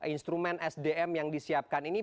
instrumen sdm yang disiapkan ini